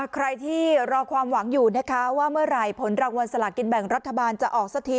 ใครที่รอความหวังอยู่นะคะว่าเมื่อไหร่ผลรางวัลสลากินแบ่งรัฐบาลจะออกสักที